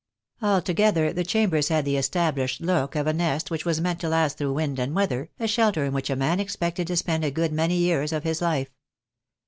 Altogether the chambers had the established look of a nest which was meant to last through wind and weather, a shelter in which a man expected to spend a good many years of his life.